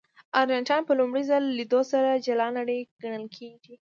ارجنټاین په لومړي ځل لیدو سره جلا نړۍ ګڼل کېږي.